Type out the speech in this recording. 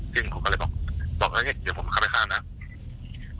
ซึ่งผมก็เลยบอกบอกนะเฮ้ยเดี๋ยวผมเข้าไปกันมา